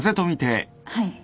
はい。